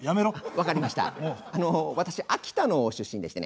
分かりました。